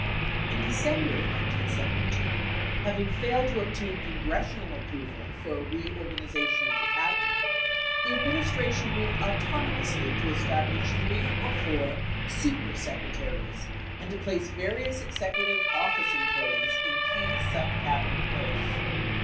In December of 1972, having failed to obtain congressional ap proval for a reorganization of the Cabinet, the administration moved autonomously to establish three or four "supersecretaries" and to place various executive office employees in key sub Cabinet posts.